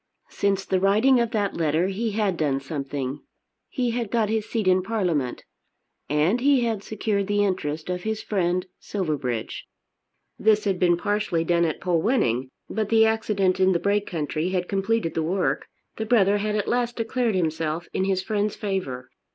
Since the writing of that letter he had done something. He had got his seat in Parliament. And he had secured the interest of his friend Silverbridge. This had been partially done at Polwenning; but the accident in the Brake country had completed the work. The brother had at last declared himself in his friend's favour.